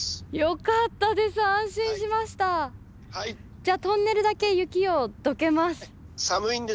じゃトンネルだけ雪をどけます！